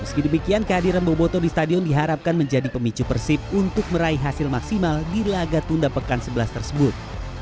meski demikian kehadiran boboto di stadion diharapkan menjadi pemicu persib untuk meraih hasil maksimal di laga tunda pekan sebelas tersebut